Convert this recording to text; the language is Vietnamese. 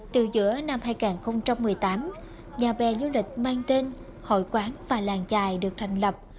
từ giữa năm hai nghìn một mươi tám nhà bè du lịch mang tên hội quán và làng trài được thành lập